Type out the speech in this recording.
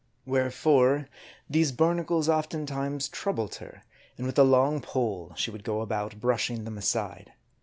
Where fore, these barnacles oftentimes troubled her ; and with a long pole she would go about, brushing them aside.